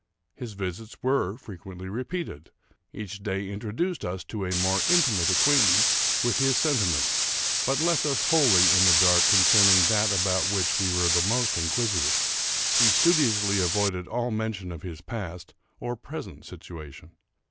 His visits were frequently repeated. Each day intro duced us to a more intimate acquaintance with his senti ments, but left us wholly in the dark concerning that about which we were most inquisitive. He studiously avoided all mention of his past or present situation.